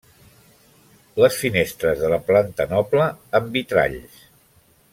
Les finestres de la planta noble, amb vitralls.